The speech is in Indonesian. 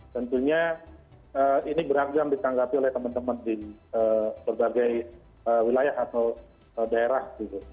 tentunya ini beragam ditanggapi oleh teman teman di berbagai wilayah atau daerah